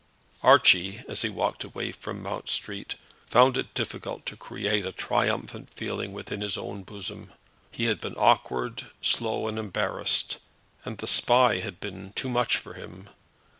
Archie, as he walked away from Mount Street, found it difficult to create a triumphant feeling within his own bosom. He had been awkward, slow, and embarrassed, and the Spy had been too much for him.